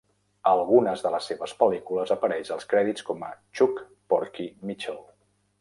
A algunes de les seves pel·lícules apareix als crèdits com a Chuck "Porky" Mitchell.